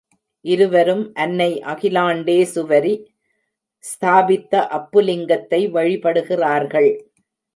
இருவரும் அன்னை அகிலாண்டேசுவரி ஸ்தாபித்த அப்புலிங்கத்தை வழிபடுகிறார்கள்.